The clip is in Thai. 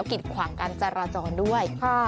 กิดขวางการจราจรด้วย